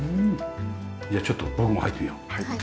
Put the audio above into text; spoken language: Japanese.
じゃあちょっと僕も入ってみよう。